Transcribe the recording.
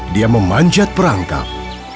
dia memanjat perangkap